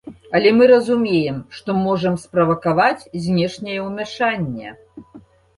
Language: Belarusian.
Але мы разумеем, што можам справакаваць знешняе ўмяшанне.